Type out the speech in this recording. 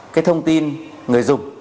cái thông tin người dùng